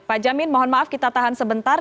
pak jamin mohon maaf kita tahan sebentar